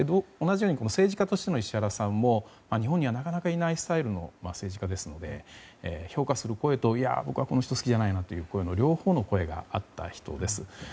同じように政治家としての石原さんも日本にはなかなかいないスタイルの政治家ですので評価する声と、いや僕はこの人好きじゃないなという声の両方の声があった人です。